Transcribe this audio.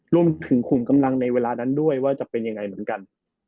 รวมถึงขุมกำลังในเวลานั้นด้วยว่าจะเป็นยังไงเหมือนกัน